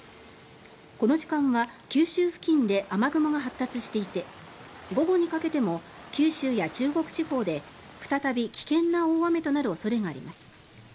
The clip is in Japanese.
この時間は九州付近で雨雲が発達していて午後にかけても九州や中国地方で再び危険な大雨となる恐れがあります。